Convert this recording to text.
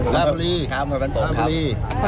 ราบบุรีครับคนบ้านปกครับ